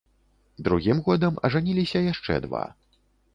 Другім годам ажаніліся яшчэ два.